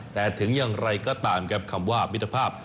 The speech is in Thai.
แต่ถึงอย่างไรก็ตามครับคำว่ามิตรภาพ